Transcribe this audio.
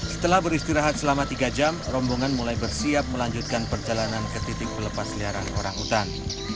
setelah beristirahat selama tiga jam rombongan mulai bersiap melanjutkan perjalanan ke titik pelepas liaran orang utan